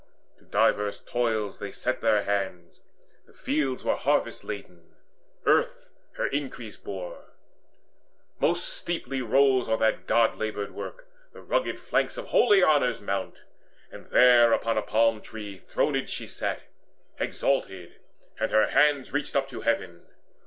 To diverse toils they set their hands; the fields Were harvest laden; earth her increase bore. Most steeply rose on that god laboured work The rugged flanks of holy Honour's mount, And there upon a palm tree throned she sat Exalted, and her hands reached up to heaven.